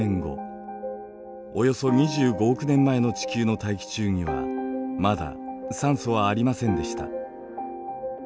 およそ２５億年前の地球の大気中にはまだ酸素はありませんでした。